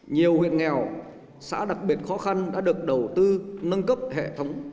nhiều huyện nghèo xã đặc biệt khó khăn đã được đầu tư nâng cấp hệ thống